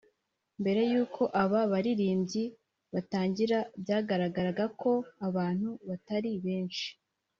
Mbere y'uko aba baririmbyi batangira byagaragaraga ko abantu batari benshi